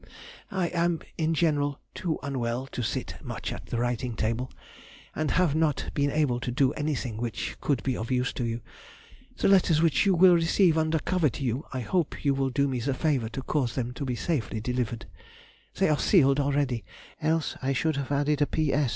I am in general too unwell to sit much at the writing table, and have not been able to do anything which could be of use to you. The letters which you will receive under cover to you I hope you will do me the favour to cause them to be safely delivered. They are sealed already, else I should have added a P.S.